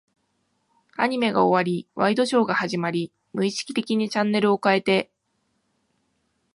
アニメが終わり、ワイドショーが始まり、無意識的にチャンネルを変えて、